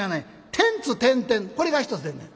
『テンツテンテン』これが一つでんねん」。